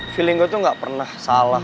feeling gue tuh gak pernah salah